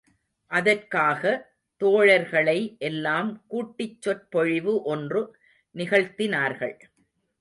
அதற்காக, தோழர்களை எல்லாம் கூட்டிச் சொற்பொழிவு ஒன்று நிகழ்த்தினார்கள்.